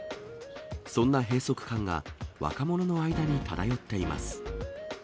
そんな閉塞感が、若者の間に漂っています。